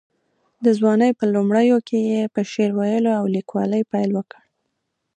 د ځوانۍ په لومړیو کې یې په شعر ویلو او لیکوالۍ پیل وکړ.